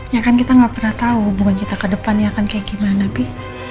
ya kan kita gak pernah tau hubungan kita ke depan ya kan kayak gimana bi